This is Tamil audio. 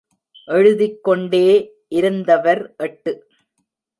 எழுதிக்கொண்டே இருந்தவர் எட்டு.